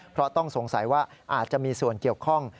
เพราะต้องสงสัยว่าอาจจะมีส่วนเกี่ยวข้อง